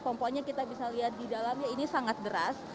pompanya kita bisa lihat di dalamnya ini sangat beras